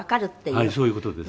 はいそういう事です。